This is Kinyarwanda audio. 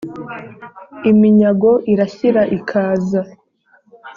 iminyago irashyira ikaza.